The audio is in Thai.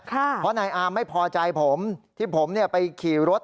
เพราะว่านายอาร์มไม่พอใจผมที่ผมไปขี่รถตัดหน้าเขา